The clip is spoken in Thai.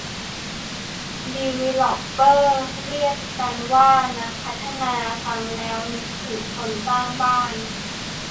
ดีวีลอปเปอร์ เรียกกันว่านักพัฒนา ฟังแล้วนึกถึงคนสร้างบ้าน